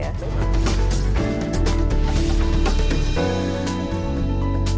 apakah ini bisa dibereskan